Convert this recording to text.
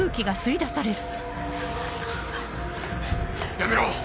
やめろ！